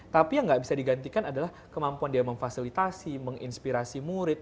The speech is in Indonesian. tapi yang gak bisa digantikan adalah kemampuan dia memfasilitasi menginspirasi murid